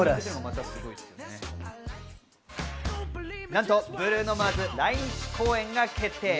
なんとブルーノ・マーズ、来日公演が決定。